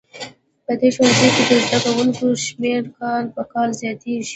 په دې ښوونځي کې د زده کوونکو شمېر کال په کال زیاتیږي